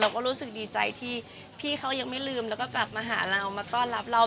ก็รู้สึกดีใจที่พี่เขายังไม่ลืมแล้วก็กลับมาหาเรามาต้อนรับเรา